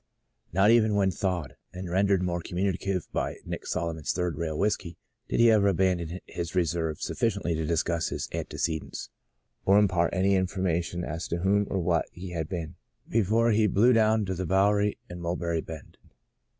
Not even when thawed, and rendered more com municative by Nick Solomon's " third rail " The Blossoming Desert 1 39 whiskey, did he ever abandon his reserve sufficiendy to discuss his antecedents, or impart any information as to whom or what he had been, before he blew down to the Bowery and Mulberry Bend.